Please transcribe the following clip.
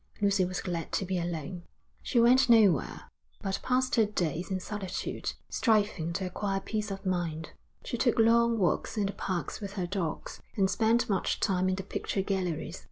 Lucy was glad to be alone. She went nowhere, but passed her days in solitude, striving to acquire peace of mind; she took long walks in the parks with her dogs, and spent much time in the picture galleries.